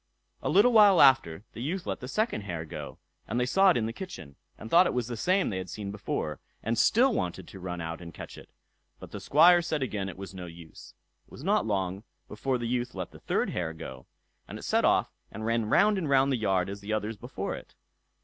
A little while after, the youth let the second hare go, and they saw it in the kitchen, and thought it was the same they had seen before, and still wanted to run out and catch it; but the Squire said again it was no use. It was not long before the youth let the third hare go, and it set off and ran round and round the yard as the others before it.